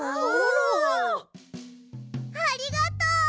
ありがとう。